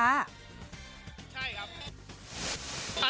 ใช่ครับ